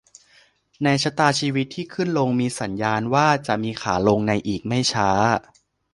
ในชะตาชีวิตที่ขึ้นลงมีสัญญาณว่าจะมีขาลงในอีกไม่ช้า